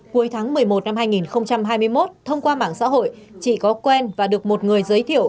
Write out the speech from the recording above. cuối tháng một mươi một năm hai nghìn hai mươi một thông qua mạng xã hội chị có quen và được một người giới thiệu